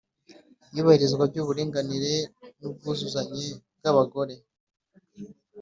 Iyubahirizwa ry uburinganire n ubwuzuzanye bw abagore